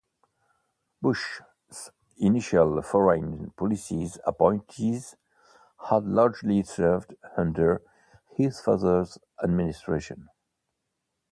Bush's initial foreign policy appointees had largely served under his father's administration.